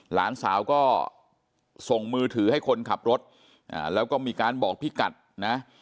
หลานสาวก็ส่งมือถือให้คนขับรถแล้วก็มีการบอกพี่กัดนะ